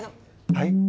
はい？